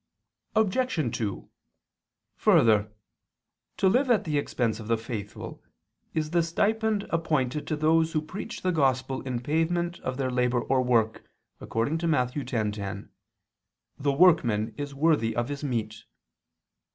Obj. 2: Further, to live at the expense of the faithful is the stipend appointed to those who preach the Gospel in payment of their labor or work, according to Matt. 10:10: "The workman is worthy of his meat."